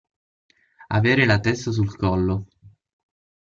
Avere la testa sul collo.